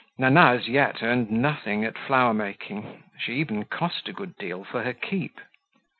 Nana as yet earned nothing at flower making; she even cost a good deal for her keep.